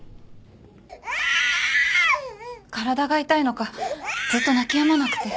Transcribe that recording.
体が痛いのかずっと泣きやまなくて。